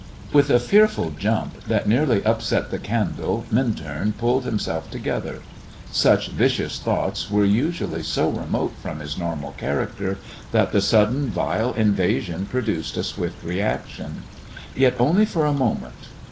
With a fearful jump that nearly upset the candle Minturn pulled himself together. Such vicious thoughts were usually so remote from his normal character that the sudden vile invasion produced a swift reaction. Yet, only for a moment.